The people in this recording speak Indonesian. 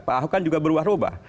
pak ahok kan juga berubah ubah